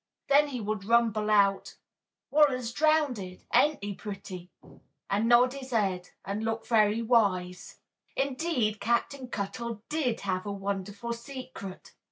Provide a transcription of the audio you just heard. Then he would rumble out, "Wal'r's drown ded, ain't he, pretty?" and nod his head and look very wise. Indeed, Captain Cuttle did have a wonderful secret.